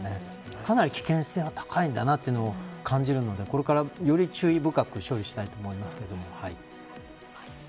かなり危険性は高いんだなというのを感じるのでこれからより注意深く処理したいと思いますけれども。